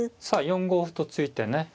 さあ４五歩と突いてね